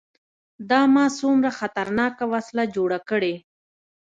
دا ما څونه خطرناکه وسله جوړه کړې.